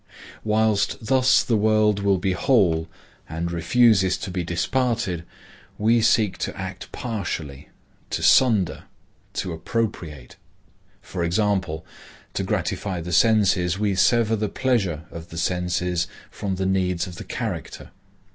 Whilst thus the world will be whole and refuses to be disparted, we seek to act partially, to sunder, to appropriate; for example,—to gratify the senses we sever the pleasure of the senses from the needs of the character.